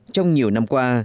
trong nhiều năm qua